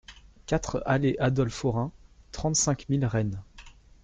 quatre allée Adolphe Orain, trente-cinq mille Rennes